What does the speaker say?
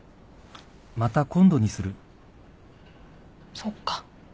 そっか。